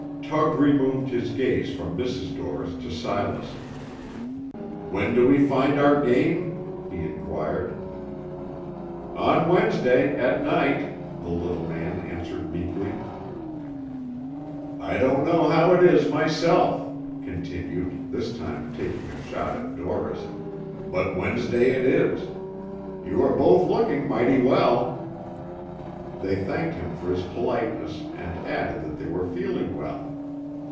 Tug removed his gaze from Mrs. Dorris to Silas. "When do we find our game?" he inquired. "On Wednesday; at night," the little man answered meekly. "I don't know how it is, myself," Tug continued, this time taking a shot at Dorris; "but Wednesday it is. You are both looking mighty well." They thanked him for his politeness, and added that they were feeling well.